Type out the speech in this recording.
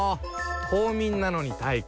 公民なのに体育！